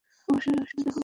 অবশ্যই অসুবিধা হবে না।